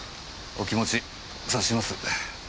お気持ち察します。